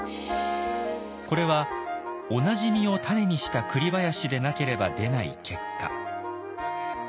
これは同じ実を種にしたクリ林でなければ出ない結果。